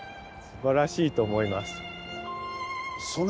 すばらしいと思います。